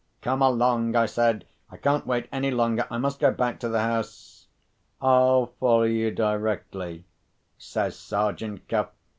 "Come along!" I said, "I can't wait any longer: I must go back to the house." "I'll follow you directly," says Sergeant Cuff.